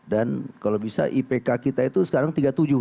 kalau bisa ipk kita itu sekarang tiga puluh tujuh